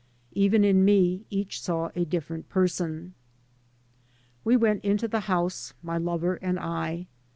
Even in me each saw a different person. We went into the house, my lover and I.